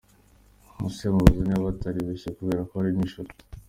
Nkusi amubaza niba bataribeshye kubera ko hari nijoro.